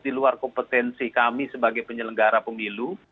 di luar kompetensi kami sebagai penyelenggara pemilu